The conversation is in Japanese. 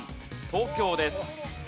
東京です。